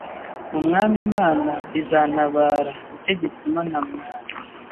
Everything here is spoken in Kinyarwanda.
Umwami Imana izantabara nicyo gituma ntamwara,